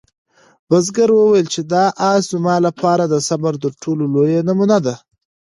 بزګر وویل چې دا آس زما لپاره د صبر تر ټولو لویه نمونه ده.